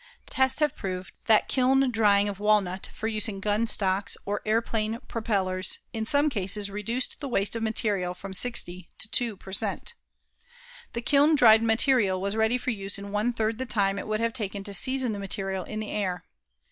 Tests have proved that kiln drying of walnut for use in gun stocks or airplane propellers, in some cases reduced the waste of material from 60 to 2 per cent. The kiln dried material was ready for use in one third the time it would have taken to season the material in the air.